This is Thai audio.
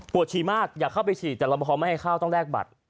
ฉี่มากอยากเข้าไปฉีดแต่รับประพอไม่ให้เข้าต้องแลกบัตร